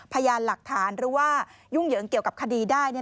พยานหลักฐานหรือว่ายุ่งเหยิงเกี่ยวกับคดีได้